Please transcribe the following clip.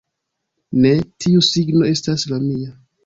Ne, tiu signo estas la mia